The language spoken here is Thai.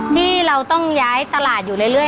ที่เราต้องย้ายตลาดอยู่เรื่อย